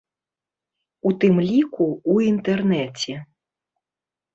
У тым ліку, у інтэрнэце.